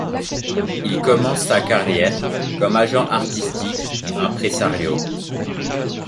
Il commence sa carrière comme agent artistique et impresario.